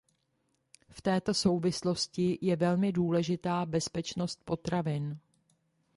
V této souvislosti je velmi důležitá bezpečnost potravin.